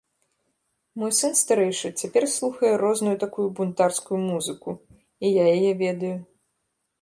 Мой сын старэйшы цяпер слухае розную такую бунтарскую музыку, і я яе ведаю.